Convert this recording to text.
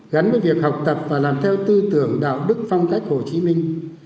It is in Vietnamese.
gắn với việc học tập và làm theo tư tưởng đạo đức phong cách hồ chí minh